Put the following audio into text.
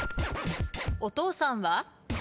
お父さんは？